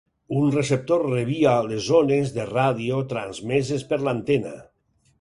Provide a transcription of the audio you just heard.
Un receptor rebia les ones de ràdio transmeses per l'antena.